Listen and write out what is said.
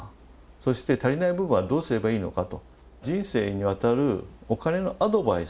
そして足りない部分はどうすればいいのかと。